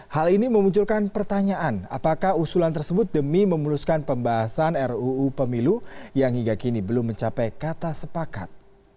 hal ini memunculkan pertanyaan apakah usulan tersebut demi memuluskan pembahasan ruu pemilu yang hingga kini belum mencapai kata sepakat